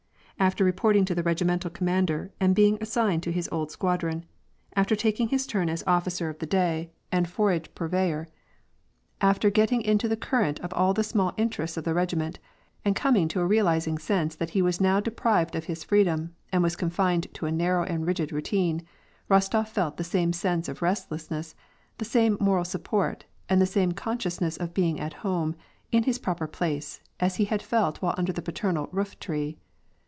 After reporting to the regimental commander and being as signed to bi^ old squadron, after taking his turn as officer of I y 126 WAR AND PEACE. the day and forage purveyor, after getting into the current of all the small interests of the regiment, and coming to a realiz ing sense that he was now deprived of his freedom, and was confined to a narrow and rigid routine, — Bostof felt the same sense of restfuhiess, the same moral support, and the same consciousness of being at home, in his proper place, as he had felt while under the paternal roof ti ee.